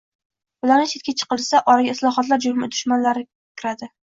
Ulardan chetga chiqilsa, oraga islohotlar dushmanlari kiradi